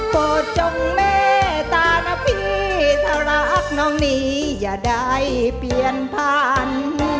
โปรดจงเมตานะพี่ถ้ารักน้องหนีอย่าได้เปลี่ยนผ่าน